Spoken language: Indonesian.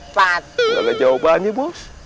gak ada jawabannya bos